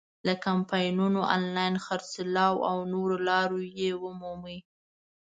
له کمپاینونو، آنلاین خرڅلاو او نورو لارو یې مومي.